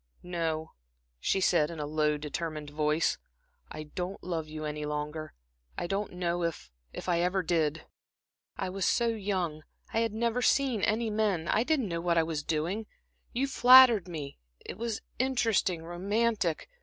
"No," she said, in a low, determined voice, "I don't love you any longer. I don't know if I ever did. I was so young, I had never seen any men, I didn't know what I was doing. You flattered me; it was interesting, romantic.